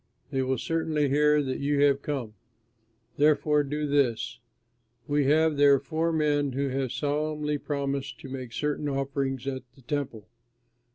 They will certainly hear that you have come; therefore do this: we have here four men who have solemnly promised to make certain offerings at the Temple.